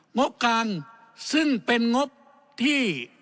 งบกลางซึ่งเป็นงบที่